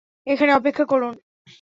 এখানে অপেক্ষা করুন।